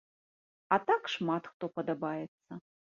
А так шмат хто падабаецца.